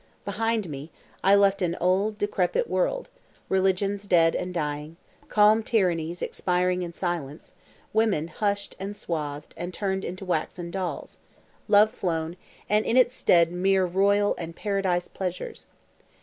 Behind me I left an old, decrepit world; religions dead and dying; calm tyrannies expiring in silence; women hushed and swathed, and turned into waxen dolls; love flown, and in its stead mere royal and "paradise" pleasures.